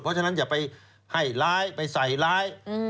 เขาฉะนั้นจะไปให้ร้ายไปใส่ร้าย